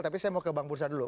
tapi saya mau ke bang bursa dulu